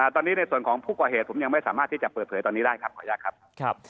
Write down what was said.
ตอนนี้ในส่วนของผู้ก่อเหตุผมยังไม่สามารถที่จะเปิดเผยตอนนี้ได้ครับขออนุญาตครับ